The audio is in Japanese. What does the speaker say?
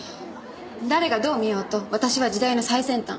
誰がどう見ようと私は時代の最先端。